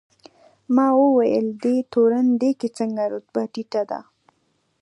ما وویل: دی تورن دی که څنګه؟ رتبه یې ټیټه ده.